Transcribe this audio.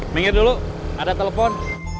minggir dulu ada telepon